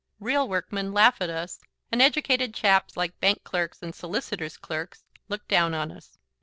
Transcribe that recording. real workmen laugh at us and educated chaps like bank clerks and solicitors' clerks look down on us.